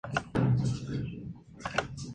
Es autor de numerosos libros, artículos y ensayos.